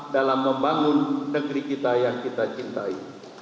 dalam membangun negeri kita yang kita cintai